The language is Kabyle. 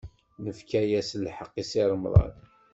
Nefka-as lḥeqq i Si Remḍan.